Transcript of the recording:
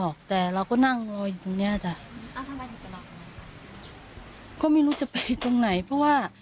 เขาไม่รู้จะไปตรงไหนเพราะว่า